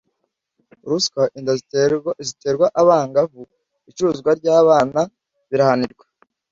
ruswa inda ziterwa abangavu icuruzwa ry abana birahanirwa